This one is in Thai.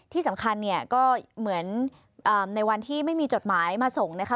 ที่สำคัญเนี่ยก็เหมือนในวันที่ไม่มีจดหมายมาส่งนะคะ